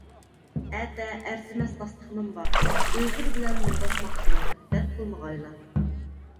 ئەتە ئەرزىمەس داستىخىنىم بار، ئۆزلىرى بىلەن مۇڭداشماقچىمەن، رەت قىلمىغايلا.